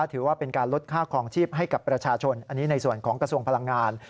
ถือว่าเป็นการลดค่าคลองชีพให้กับประชาชนอันนี้ในส่วนของกระทรวงพลังงาน